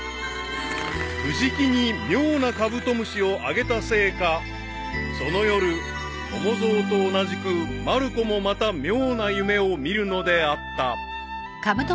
［藤木に妙なカブトムシをあげたせいかその夜友蔵と同じくまる子もまた妙な夢を見るのであった］